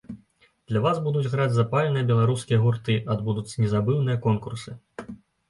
Для вас будуць граць запальныя беларускія гурты, адбудуцца незабыўныя конкурсы.